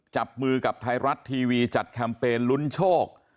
จับมือกับไทยรัฐทีวีจัดแคมเปญลุ้นโชค